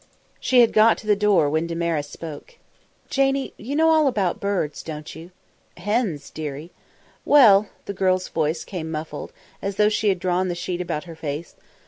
She had got to the door when Damaris spoke. "Janie, you know all about birds, don't you?" "Hens, dearie." "Well!" The girl's voice came muffled, as though she had drawn the sheet about her face.